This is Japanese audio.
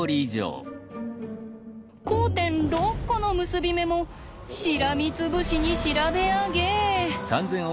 交点６コの結び目もしらみつぶしに調べ上げ。